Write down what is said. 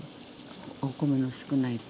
お米の少ない時